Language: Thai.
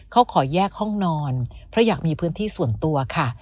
เขาขอแยกห้องนอนเพราะอยากมีพื้นที่ส่วนตัวค่ะ